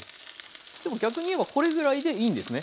でも逆に言えばこれぐらいでいいんですね。